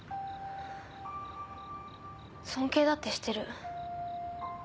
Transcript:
尊敬だってしてる。